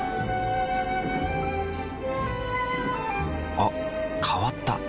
あ変わった。